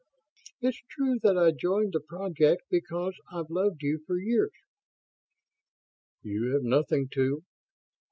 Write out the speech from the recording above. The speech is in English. It's true that I joined the project because I've loved you for years " "You have nothing to